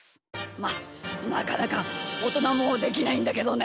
まあなかなかおとなもできないんだけどね。